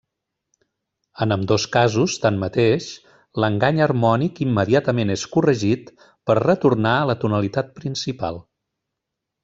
En ambdós casos, tanmateix, l'engany harmònic immediatament és 'corregit' per retornar a la tonalitat principal.